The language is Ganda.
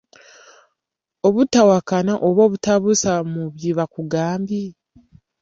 Obutawakana oba obutabuusabuusa mu bye baba bakugambye.